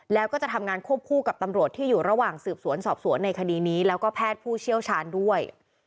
แล้วก็จะทำงานควบคู่กับตำรวจที่อยู่ระหว่างสืบสวนสอบสวนในคดีนี้แล้วก็แพทย์ผู้เชี่ยวชาญด้วย